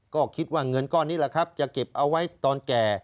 ก็คิดว่าเงินก้อนนี้แหละครับจะเก็บเอาไว้ตอนแก่